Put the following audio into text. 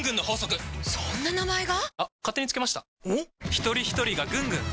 ひとりひとりがぐんぐん！